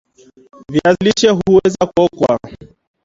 viazi lishe huweza kuokwa